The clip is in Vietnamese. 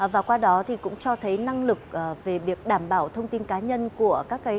và qua đó thì cũng cho thấy năng lực về việc đảm bảo thông tin cá nhân của các cái